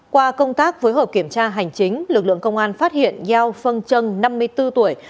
qua công tác với hợp kiểm tra hành chính lực lượng công an phát hiện giao phân chân năm mươi bốn tuổi